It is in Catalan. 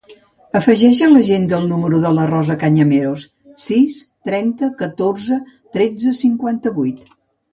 Afegeix a l'agenda el número de la Rosa Cañamero: sis, trenta, catorze, tretze, cinquanta-vuit.